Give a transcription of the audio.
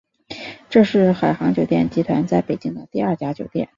这是海航酒店集团在北京的第二家酒店。